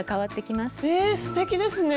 すてきですね。